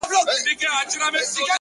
ستا هره گيله مي لا په ياد کي ده;